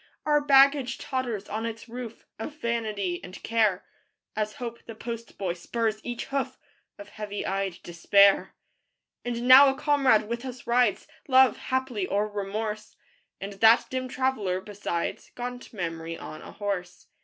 Our baggage totters on its roof, Of Vanity and Care, As Hope, the post boy, spurs each hoof, Or heavy eyed Despair. And now a comrade with us rides, Love, haply, or Remorse; And that dim traveler besides, Gaunt Memory on a horse.